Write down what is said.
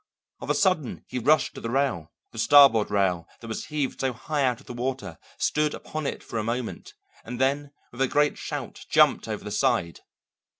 Of a sudden he rushed to the rail, the starboard rail that was heaved so high out of the water, stood upon it for a moment, and then with a great shout jumped over the side.